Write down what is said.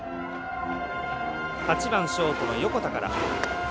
８番ショートの横田から。